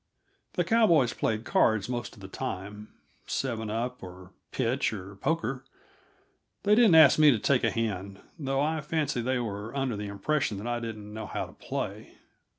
The cowboys played cards most of the time seven up, or pitch, or poker; they didn't ask me to take a hand, though; I fancy they were under the impression that I didn't know how to play.